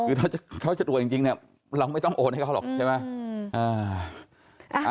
คือถ้าเขาจะตรวจจริงเนี่ยเราไม่ต้องโอนให้เขาหรอกใช่ไหม